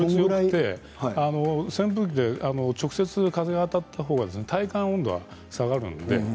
扇風機で直接風が当たったほうが体感温度が下がるんです。